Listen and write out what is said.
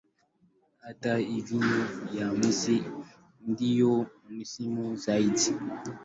Hata hivyo ya mwisho ndiyo muhimu zaidi.